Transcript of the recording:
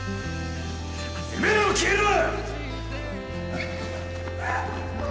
てめえらも消えろ！